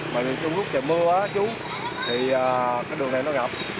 mà trong lúc trời mưa chú thì cái đường này nó ngập